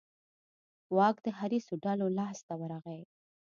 واک د حریصو ډلو لاس ته ورغی.